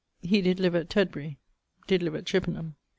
[XCV.] He did live at Tedbury. [XCVI.] Did live at Chippenham.